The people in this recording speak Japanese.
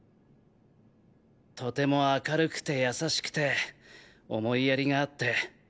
とても明るくて優しくて思いやりがあって。